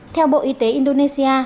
theo bộ y tế indonesia